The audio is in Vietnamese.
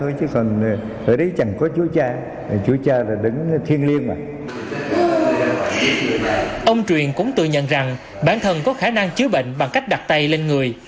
ông truyền cũng tự nhận rằng bản thân có khả năng chứa bệnh bằng cách đặt tay lên người